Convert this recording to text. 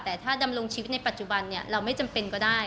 แต่ถ้าดำรงชีวิตในปัจจุบันเนี่ยเราไม่จำเป็นก็ได้